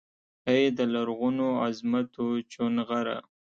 ای دلرغونوعظمتوچونغره!